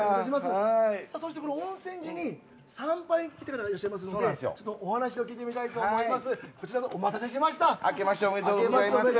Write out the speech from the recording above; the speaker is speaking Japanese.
温泉寺に参拝に来ている方いらっしゃいますのでお話を聞きたいと思います。